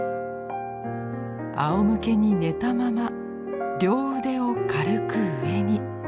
あおむけに寝たまま両腕を軽く上に。